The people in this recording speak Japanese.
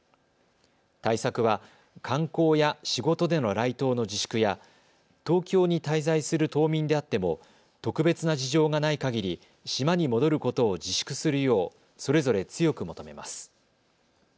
対策は観光や仕事での来島の自粛や東京に滞在する島民であっても特別な事情がないかぎり島に戻ることを自粛するようそれぞれ強く求めます。